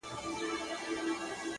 څنگه دي زړه څخه بهر وباسم،